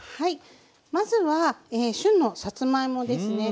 まずは旬のさつまいもですね。